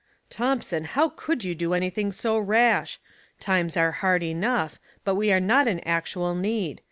" Thomson, how could you do anything so rash ? Times are hard enough ; but we are not in actual need.